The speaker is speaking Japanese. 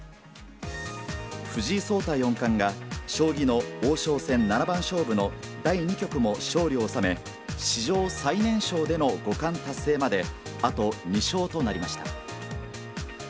藤井聡太四冠が、将棋の王将戦七番勝負の第２局も勝利を収め、史上最年少での五冠達成まで、あと２勝となりました。